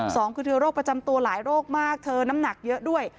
สองคือเธอโรคประจำตัวหลายโรคมากเธอน้ำหนักเยอะด้วย